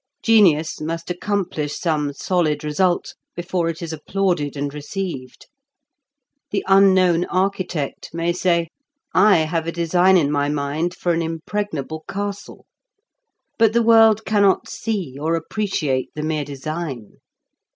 Genius must accomplish some solid result before it is applauded and received. The unknown architect may say: "I have a design in my mind for an impregnable castle." But the world cannot see or appreciate the mere design.